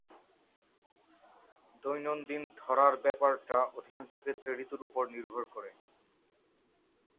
দৈনন্দিন ধরার ব্যাপারটা অধিকাংশ ক্ষেত্রে ঋতুর উপর নির্ভর করে।